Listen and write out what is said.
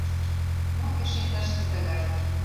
— Мо эше тыште тыгай!